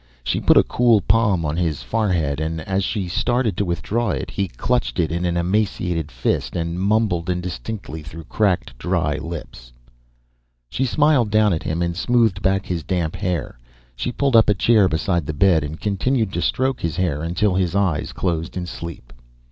She put a cool palm on his forehead and as she started to withdraw it he clutched it in an emaciated fist and mumbled indistinctly through cracked dry lips. She smiled down at him and smoothed back his damp hair. She pulled up a chair beside the bed and continued to stroke his hair until his eyes closed in sleep.